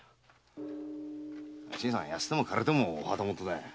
新さんやせても枯れてもお旗本だ。